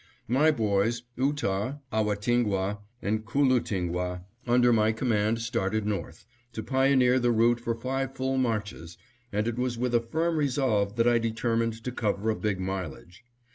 My boys, Ootah, Ahwatingwah, and Koolootingwah, under my command started north, to pioneer the route for five full marches, and it was with a firm resolve that I determined to cover a big mileage.